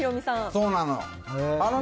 そうなの。